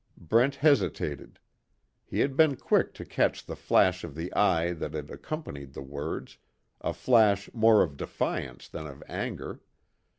Brent hesitated. He had been quick to catch the flash of the eye that had accompanied the words, a flash more of defiance than of anger.